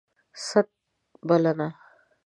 ست ... بلنه